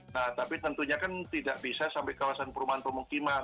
nah tapi tentunya kan tidak bisa sampai kawasan perumahan pemukiman